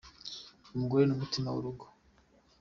Umugore ni umutima w'urugo